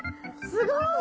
すごい。